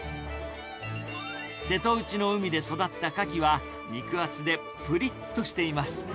瀬戸内の海で育ったカキは、肉厚でぷりっとしています。